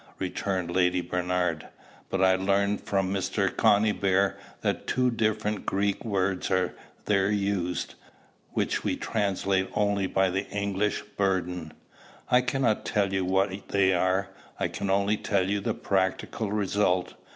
returned Lady Bernard; "but I learn from Mr. Conybeare that two different Greek words are there used, which we translate only by the English burden. I cannot tell you what they are: I can only tell you the practical result.